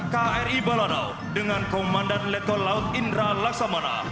kri balanao dengan komandan letkol laut indra laksamana